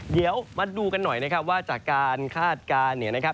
เดี๋ยวมาดูกันหน่อยนะครับว่าจากการคาดการณ์เนี่ยนะครับ